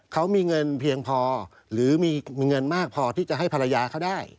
เขามีเงินเพียงพอหรือมีเงินมากพอที่จะให้ภรรยาเขาได้